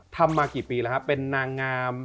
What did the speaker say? ทำมากี่ปีแล้วครับเป็นนางงาม